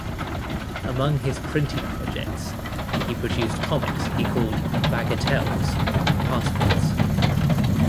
Among his printing projects, he produced comics he called "Bagatelles" and passports.